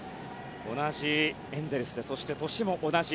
同じエンゼルスで年も同じ。